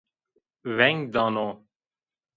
Veng dano